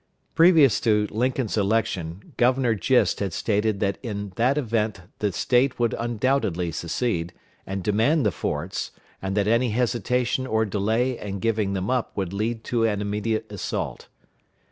Previous to Lincoln's election, Governor Gist had stated that in that event the State would undoubtedly secede, and demand the forts, and that any hesitation or delay in giving them up would lead to an immediate assault.